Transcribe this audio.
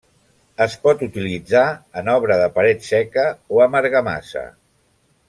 Es pot utilitzar en obra de paret seca o amb argamassa.